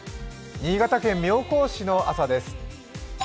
新潟県妙高市の朝です。